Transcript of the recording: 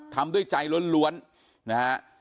ทำด้วยใจล้วนนะฮะ